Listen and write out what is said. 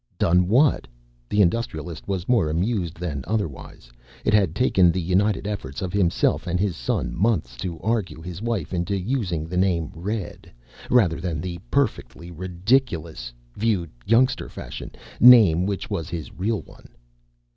"Done what?" The Industrialist was more amused than otherwise. It had taken the united efforts of himself and his son months to argue his wife into using the name "Red" rather than the perfectly ridiculous (viewed youngster fashion) name which was his real one.